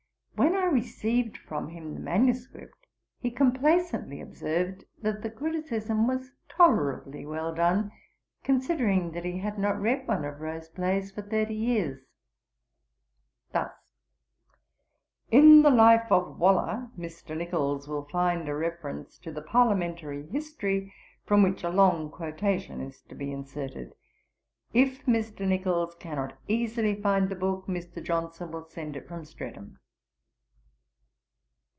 When I received from him the MS. he complacently observed that the criticism was tolerably well done, considering that he had not read one of Rowe's plays for thirty years.' Ib. vii. 417. Thus: 'In the Life of Waller, Mr. Nichols will find a reference to the Parliamentary History from which a long quotation is to be inserted. If Mr. Nichols cannot easily find the book, Mr. Johnson will send it from Streatham.'